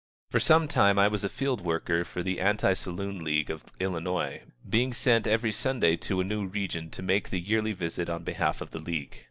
For some time I was a field worker for the Anti Saloon League of Illinois, being sent every Sunday to a new region to make the yearly visit on behalf of the league.